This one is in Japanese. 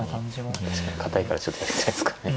確かに堅いからちょっとやりづらいですからね。